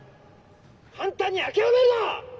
「簡単に諦めるな！